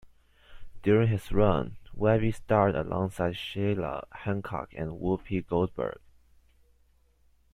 During his run, Webbe starred alongside Sheila Hancock and Whoopi Goldberg.